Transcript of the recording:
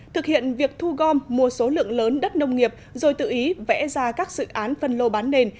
thực hiện việc thu gom một số lượng lớn đất nông nghiệp rồi tự ý vẽ ra các dự án phân lô bán nền